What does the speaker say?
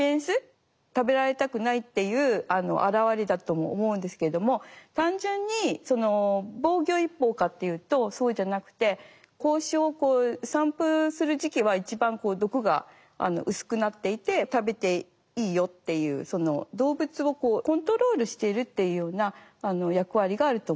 食べられたくないっていう表れだとも思うんですけれども単純に防御一方かっていうとそうじゃなくて胞子をこう散布する時期は一番毒が薄くなっていて食べていいよっていう動物をこうコントロールしてるっていうような役割があると思います。